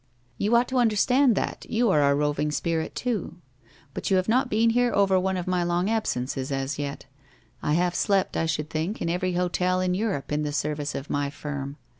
You ought to understand that, you are a roving spirit, too. But you have not been here over one of my long absences as yet. I have slept, I should think, in every hotel in Europe in the service of my firm.